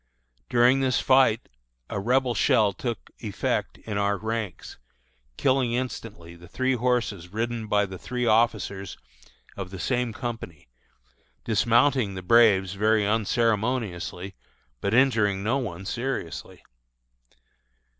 During this fight a Rebel shell took effect in our ranks, killing instantly the three horses ridden by the three officers of the same company, dismounting the braves very unceremoniously, but injuring no one seriously.